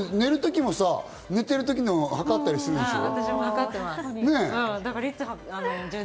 寝る時もさ、寝てる時を計ったりするでしょ？